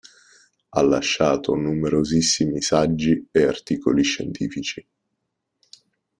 Ha lasciato numerosissimi saggi e articoli scientifici.